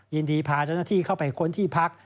ยินดีพาเจ้าหน้าที่เข้าไปค้นที่พัก